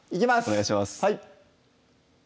お願いします